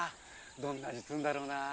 どんな味するんだろうな。